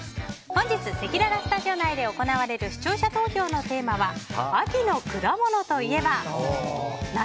本日、せきららスタジオ内で行われる視聴者投票のテーマは秋の果物といえば梨？